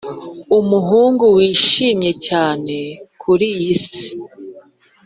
umuhungu wishimye cyane kuriyi si